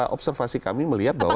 observasi kami melihat bahwa